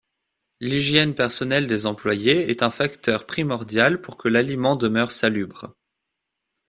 L'hygiène personnelle des employés est un facteur primordial pour que l'aliment demeure salubre.